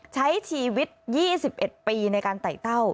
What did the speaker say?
ใช้ชีวิต๒๑ปีในการไต่เต้า